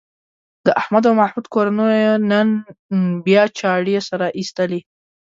د احمد او محمود کورنیو نن بیا چاړې سره ایستلې.